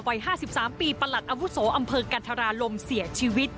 วัย๕๓ปีประหลัดอาวุโสอำเภอกันธราลมเสียชีวิต